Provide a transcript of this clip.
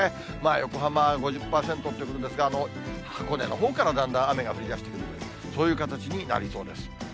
横浜５０％っていうことですが、箱根のほうからだんだん雨が降りだしてくる、そういう形になりそうです。